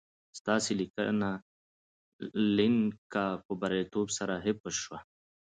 ستاسي لېنکه په برياليتوب سره حفظ شوه